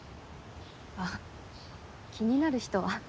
あ気になる人は。